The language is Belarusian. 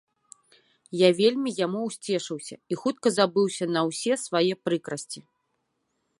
Я вельмі яму ўсцешыўся і хутка забыўся на ўсе свае прыкрасці.